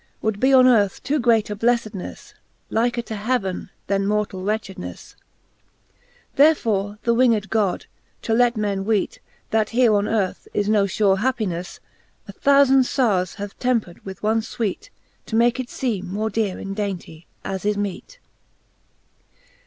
Would be on earth too great a bleffednefle, Liker to heaven, then mortall wretchednefle. Therefore the winged God, to let men weet, That here on earth is no fure happinefle, A thoufand fowres hath tempred with one fweet, To make it feeme more deare and dainty, as is meet.